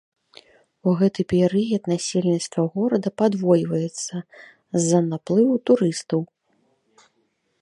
У гэты перыяд насельніцтва горада падвойваецца з-за наплыву турыстаў.